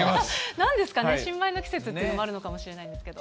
なんですかね、新米の季節というのもあるのかもしれないですけれども。